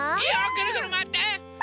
ぐるぐるまわって！